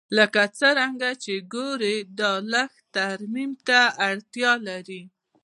لکه څنګه چې ګورې دا لږ ترمیم ته اړتیا لري